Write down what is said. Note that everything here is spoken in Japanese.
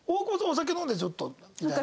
お酒飲んでちょっとみたいな。